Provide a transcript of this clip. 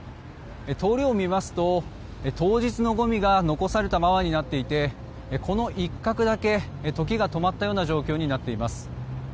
通りを見ますと、当日のごみが残されたままになっていてこの一角だけと気が止まったような状況になっています。